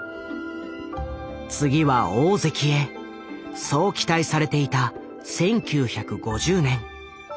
次は大関へそう期待されていた１９５０年。